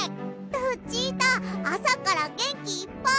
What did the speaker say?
ルチータあさからげんきいっぱい！